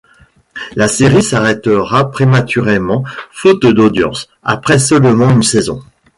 La série s'arrêtera prématurément faute d'audience, après seulement une saison.